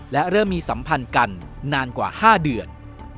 และเริ่มมีสัมพันธ์กันนานกว่า๕เดือน